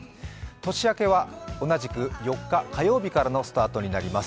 年明けは同じく４日、火曜日からのスタートになります。